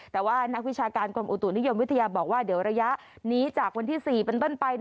แต่ว่านักวิชาการกรมอุตุนิยมวิทยาบอกว่าเดี๋ยวระยะนี้จากวันที่๔เป็นต้นไป